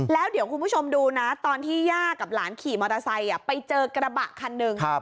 แล้วเดี๋ยวคุณผู้ชมดูนะตอนที่ย่ากับหลานขี่มอเตอร์ไซค์ไปเจอกระบะคันหนึ่ง